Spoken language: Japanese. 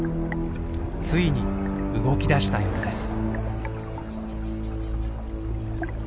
ついに動きだしたようです。